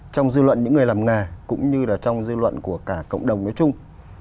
trong dư luận những người làm nghề cũng như là trong dư luận của cả cộng đồng nói chung